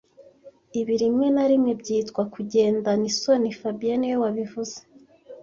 Ibi rimwe na rimwe byitwa kugenda nisoni fabien niwe wabivuze